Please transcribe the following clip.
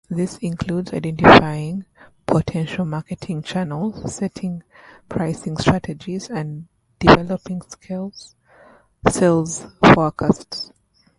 This includes identifying potential marketing channels, setting pricing strategies, and developing sales forecasts.